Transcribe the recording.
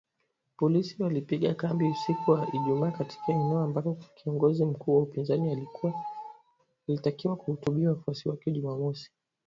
Polisi walipiga kambi usiku wa Ijumaa katika eneo ambako kiongozi mkuu wa upinzani alitakiwa kuhutubia wafuasi wake Jumamosi